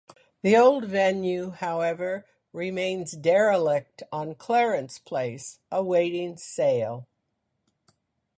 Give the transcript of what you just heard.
The old venue however remains derelict on Clarence Place awaiting sale.